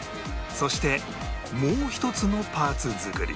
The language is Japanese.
そしてもう一つのパーツ作り